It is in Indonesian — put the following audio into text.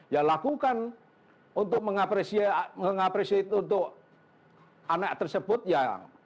ya lakukan untuk mengapresiasi untuk anak tersebut ya